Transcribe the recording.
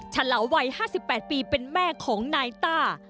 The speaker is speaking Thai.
ฉลาวัย๕๘ปีเป็นแม่ของนายต้า